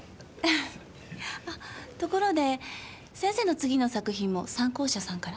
あところで先生の次の作品も讃光社さんから？